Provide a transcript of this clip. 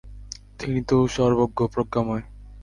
তিনি তো সর্বজ্ঞ, প্রজ্ঞাময়।